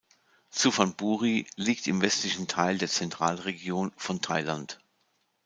Suphan Buri liegt im westlichen Teil der Zentralregion von Thailand.